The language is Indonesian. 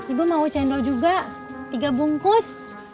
ibu mau cendol juga tiga bungkus